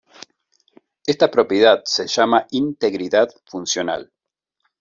Esta propiedad se llama integridad funcional.